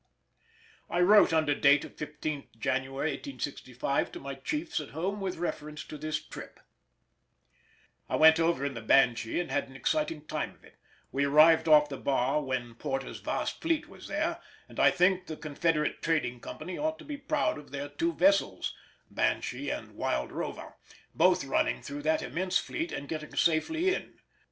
I wrote under date of 15th January 1865 to my chiefs at home with reference to this trip: I went over in the Banshee and had an exciting time of it; we arrived off the bar when Porter's vast fleet was there, and I think the Confederate Trading Company ought to be proud of their two vessels (Banshee and Wild Rover) both running through that immense fleet and getting safely in.